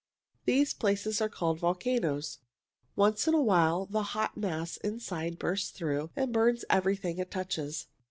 These places are called volcanoes. Once in a while the hot mass inside bursts through and burns everything it touches."